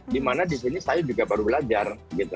dimana disini saya juga baru belajar